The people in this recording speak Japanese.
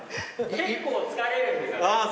結構疲れるんですよね。